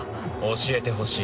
教えてほしい？